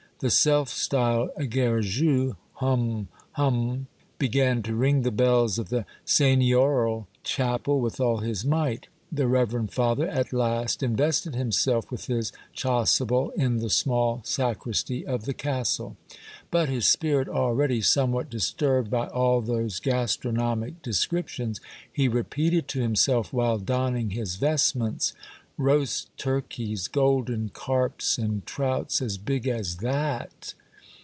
The self styled Garrigou {hum 1 hum !) began to ring the bells of the seigniorial chapel with all his might ; the rever end father at last invested himself with his chasuble in the small sacristy of the castle. But, his spirit already somewhat disturbed by all those gastro 26o Monday Tales, nomic descriptions, he repeated to himself while donning his vestments, —" Roast turkeys, golden carps, and trouts as big as that